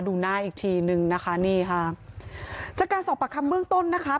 ดูหน้าอีกทีนึงนะคะนี่ค่ะจากการสอบประคำเบื้องต้นนะคะ